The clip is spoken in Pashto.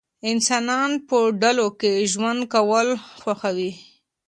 انسانان په ډلو کې ژوند کول خوښوي.